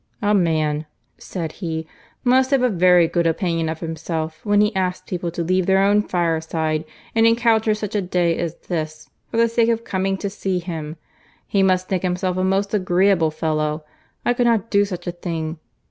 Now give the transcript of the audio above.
"A man," said he, "must have a very good opinion of himself when he asks people to leave their own fireside, and encounter such a day as this, for the sake of coming to see him. He must think himself a most agreeable fellow; I could not do such a thing.